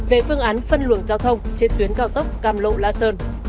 về phương án phân luồng giao thông trên tuyến cao tốc cam lộ la sơn